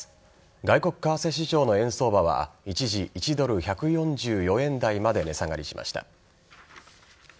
外国為替市場の円相場は一時１ドル１４４円台まで値下がりしました。